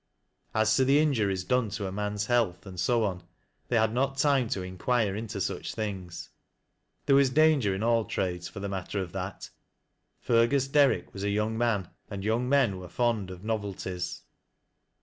As to the injuries done to a man's health, and so on— they had not time to inquire into such things. There was danger in all trades, for the matter of that. Fergus Derrick was a young man, and young men were fond of novelties.